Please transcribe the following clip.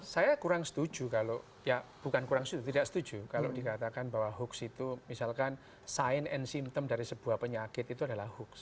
saya kurang setuju kalau ya bukan kurang setuju tidak setuju kalau dikatakan bahwa hoax itu misalkan sign and symptom dari sebuah penyakit itu adalah hoax